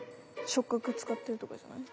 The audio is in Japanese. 触角使ってるとかじゃない？